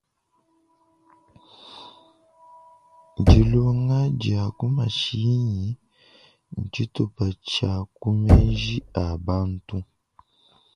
Dilonga dia ku mashinyi ntshitupa tshia ku menji a bantu.